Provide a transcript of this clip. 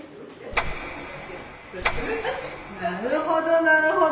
なるほどなるほど。